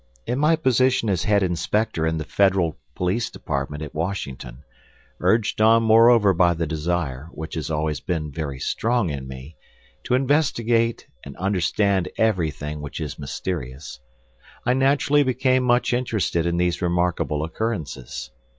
In my position as head inspector in the federal police department at Washington, urged on moreover by the desire, which has always been very strong in me, to investigate and understand everything which is mysterious, I naturally became much interested in these remarkable occurrences.